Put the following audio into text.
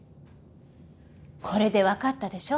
これでわかったでしょ。